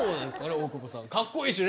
大久保さん。